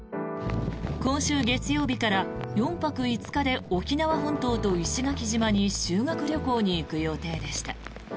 今週月曜日から４泊５日で沖縄本島と石垣島に修学旅行に行く予定でした。